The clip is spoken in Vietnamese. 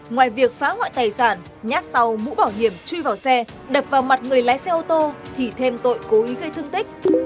ngoài việc phá hoại tài sản nhát sau mũ bảo hiểm truy vào xe đập vào mặt người lái xe ô tô thì thêm tội cố ý gây thương tích